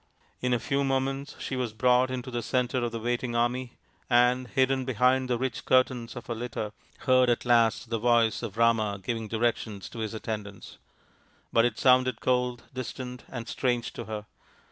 In a few moments she was brought into the centre of the waiting army, and, hidden behind the rich curtains of her litter, heard at last the voice of Rama giving directions to his attendants. But it sounded cold, distant, and strange to her.